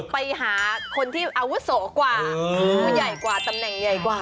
ไปหาคนที่อาวุโสกว่าผู้ใหญ่กว่าตำแหน่งใหญ่กว่า